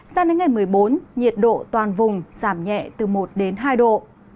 sang ngày một mươi bốn nhiệt độ toàn vùng giảm nhẹ từ một hai độ